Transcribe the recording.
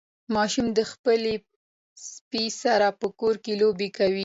ماشوم د خپل سپي سره په کور کې لوبې کولې.